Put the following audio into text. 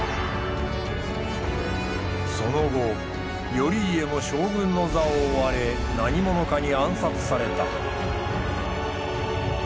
その後頼家も将軍の座を追われ何者かに暗殺された。